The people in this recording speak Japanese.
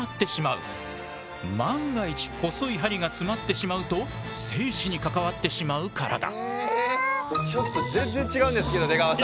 万が一細い針が詰まってしまうと生死に関わってしまうからだ。